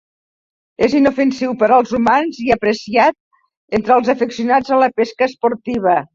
És inofensiu per als humans i apreciat entre els afeccionats a la pesca esportiva.